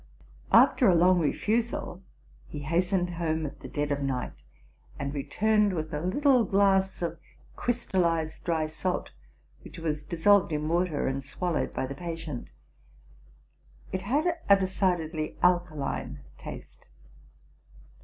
After a long refusal, he hastened home at the dead of night, and returned with a little glass of crystallized dry salt, which was dissolved in water, and swallowed by the patient. It had a decidedly alkaline taste.